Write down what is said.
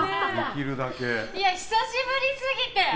久しぶりすぎて。